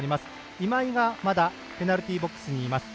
今井がまだペナルティーボックスにいます。